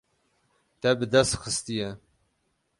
Te bi dest xistiye.